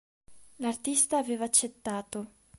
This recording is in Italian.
L'artista aveva accettato.